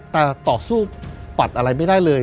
แต่ต่อสู้ปัดอะไรไม่ได้เลย